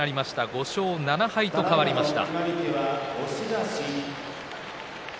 ５勝７敗と変わりました。